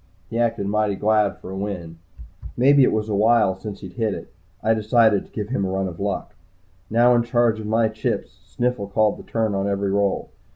He acted mighty glad for a win maybe it was a while since he'd hit it. I decided to give him a run of luck. Now in charge of my chips, Sniffles called the turn on every roll.